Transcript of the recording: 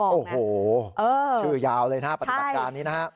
โอ้โหชื่อยาวเลยนะฮะปฏิบัติการนี้นะฮะ